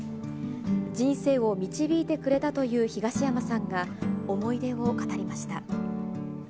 人生を導いてくれたという東山さんが思い出を語りました。